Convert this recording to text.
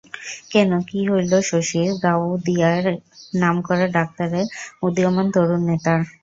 কেন, কী হইল শশীর, গাওদিয়ার নামকরা ডাক্তারের, উদীয়মান তরুণ নেতার?